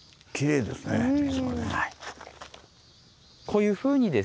こういうふうにですね